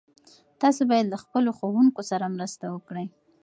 تاسو باید له خپلو ښوونکو سره مرسته وکړئ.